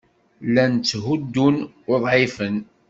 Llan ttḥuddun uḍɛifen.